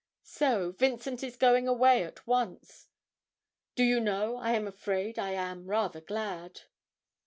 So Vincent is going away at once. Do you know I am afraid I am rather glad?'